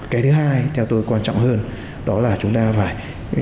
cái thứ hai theo tôi quan trọng hơn đó là chúng ta phải